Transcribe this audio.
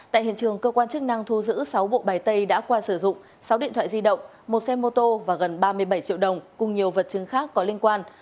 tại hiện trường cơ quan chức năng thu giữ sáu bộ bài tay đã qua sử dụng sáu điện thoại di động một xe mô tô và gần ba mươi bảy triệu đồng cùng nhiều vật chứng khác có liên quan